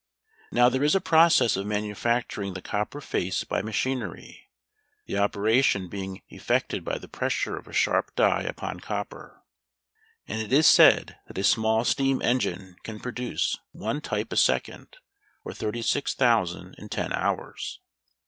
Now there is a process of manufacturing the copper face by machinery, the operation being effected by the pressure of a sharp die upon copper. And it is said that a small steam engine can produce one type a second, or thirty six thousand in ten hours.